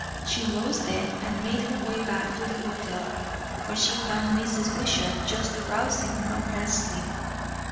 She rose then and made her way back to the hotel, where she found Mrs. Wishart just arousing from her sleep.